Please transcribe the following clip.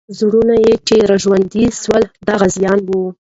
زړونه چې راژوندي سول، د غازیانو وو.